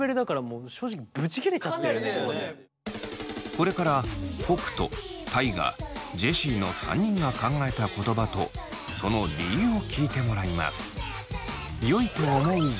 これから北斗大我ジェシーの３人が考えた言葉とその理由を聞いてもらいます。